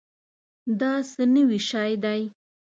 دا څه نوي شی دی؟